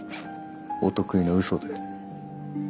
お得意の嘘で。